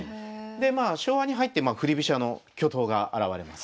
でまあ昭和に入って振り飛車の巨頭が現れます。